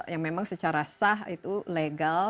yang memang secara sah itu legal